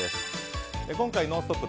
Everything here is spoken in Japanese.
今回「ノンストップ！」